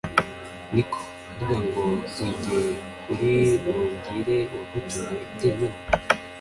niko! harya ngo ninjye uribubwire uwagutumye njyenyine!